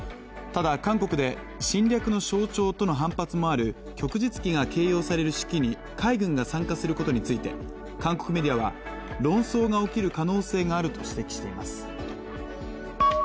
ただ、韓国で侵略の象徴との反発もある旭日旗が掲揚される式に海軍が参加することについて韓国メディアは論争が起こる可能性があると指摘しています。